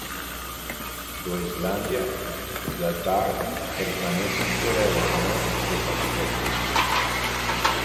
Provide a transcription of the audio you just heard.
Groenlandia y Svalbard permanecen fuera de la unión de pasaportes.